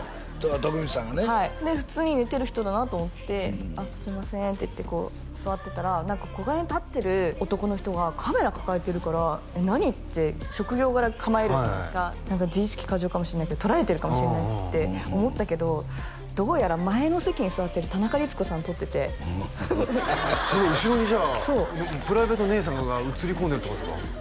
徳光さんがねはい普通に寝てる人だなと思って「すいません」って言ってこう座ってたらここら辺に立ってる男の人がカメラ抱えてるから「何！？」って職業柄構えるじゃないですか自意識過剰かもしれないけど撮られてるかもしれないって思ったけどどうやら前の席に座ってる田中律子さんを撮っててその後ろにじゃあプライベート姉さんが映り込んでるってことですか？